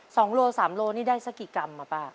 ๒โลกรัม๓โลกรัมนี่ได้สักกี่กรัมป้า